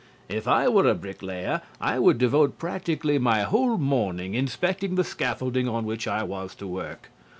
If I were a bricklayer I would devote practically my whole morning inspecting the scaffolding on which I was to work.